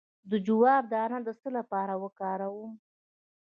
د جوار دانه د څه لپاره وکاروم؟